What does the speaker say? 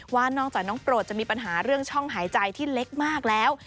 ว่านอกจากน้องโปรดจะมีปัญหาเรื่องช่องหายใจที่เล็กมากแล้ว